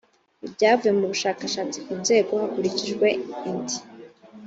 ibyavuye mu bushakashatsi ku nzego hakurikijwe int